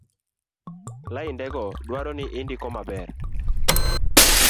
laindego dwaro ni indiko maber